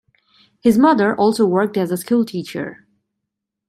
His mother also worked as a schoolteacher.